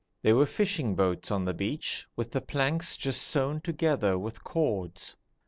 There were fishing boats on the beach, with the planks just sewn together with cords.